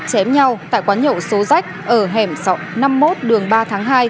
chém nhau tại quán nhậu số rách ở hẻm năm mươi một đường ba tháng hai